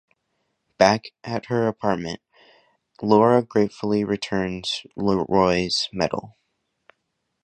Back at her apartment, Laura gratefully returns Leroy's medal.